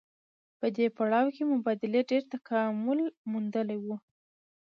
په دې پړاو کې مبادلې ډېر تکامل موندلی وو